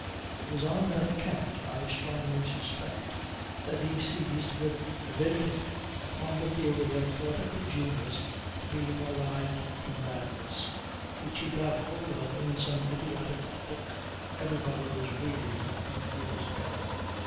It was on that account, I strongly suspect, that he seized with avidity upon the theory of poetical genius being allied to madness, which he got hold of in some idiotic book everybody was reading a few years ago.